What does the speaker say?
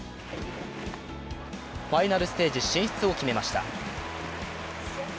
ファイナルステージ進出を決めました。